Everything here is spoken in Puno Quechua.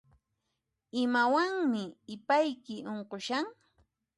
Imawanmi ipayki unqushan?